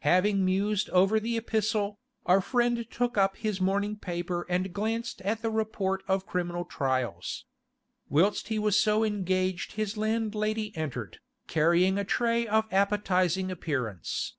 Having mused over the epistle, our friend took up his morning paper and glanced at the report of criminal trials. Whilst he was so engaged his landlady entered, carrying a tray of appetising appearance.